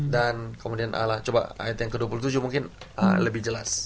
dan kemudian allah coba ayat yang ke dua puluh tujuh mungkin lebih jelas